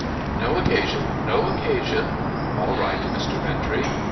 ' No occasion, no occasion. All right, Mr. Bintrey.